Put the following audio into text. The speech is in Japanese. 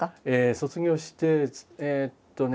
卒業してえっとね